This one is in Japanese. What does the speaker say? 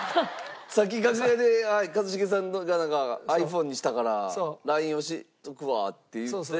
さっき楽屋で一茂さん「ｉＰｈｏｎｅにしたからＬＩＮＥ教えておくわ」って言って。